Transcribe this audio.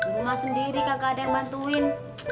rumah sendiri kakak ada yang mantuin